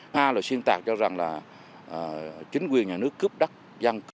hai là xuyên tạc cho rằng là chính quyền nhà nước cướp đất dân